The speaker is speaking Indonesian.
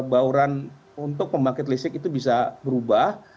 bauran untuk pembangkit listrik itu bisa berubah